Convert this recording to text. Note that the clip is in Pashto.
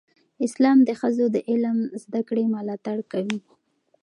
اسلام د ښځو د علم زده کړې ملاتړ کوي.